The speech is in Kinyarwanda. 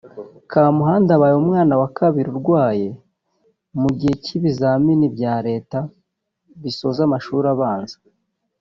Kamuhanda abaye umwana wa kabiri urwaye mu gihe cy’ibizamini bya leta bisoza amashuri abanza